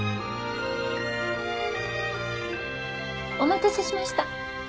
お待たせしました。